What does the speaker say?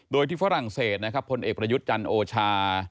โดยที่ฝรั่งเศสนะครับพลเอกประยุทธ์จันทร์โอชา